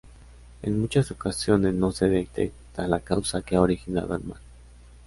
En muchas ocasiones no se detecta la causa que ha originado el mal.